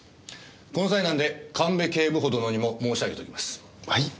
この際なんで神戸警部補殿にも申し上げておきます。